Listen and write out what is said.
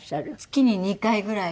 月に２回ぐらい？